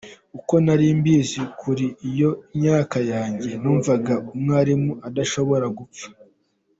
Uko nari mbizi kuri iyo myaka yanjye, numvaga umwarimu adashobora gupfa.